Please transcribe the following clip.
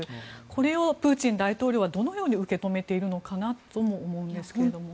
これをプーチン大統領はどのように受け止めているのかなとも思うんですけども。